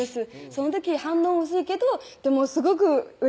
その時反応薄いけどでもすごくうれしいです